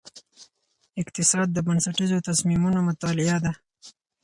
اقتصاد د بنسټیزو تصمیمونو مطالعه ده.